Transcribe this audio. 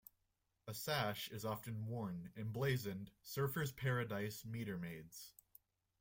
A sash is often worn emblazoned "Surfers Paradise Meter Maids".